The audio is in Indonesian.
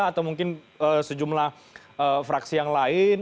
atau mungkin sejumlah fraksi yang lain